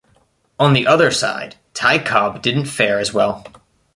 On the other side, Ty Cobb didn't fare as well.